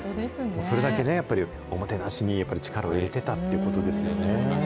それだけやっぱり、おもてなしに力を入れてたってことですよね。